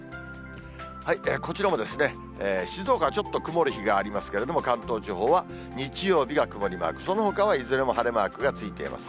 こちらもですね、静岡はちょっと曇る日がありますけれども、関東地方は日曜日が曇りマーク、そのほかはいずれも晴れマークがついています。